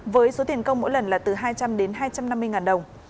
với số tiền công mỗi lần là từ hai trăm linh đến hai trăm năm mươi ngàn đồng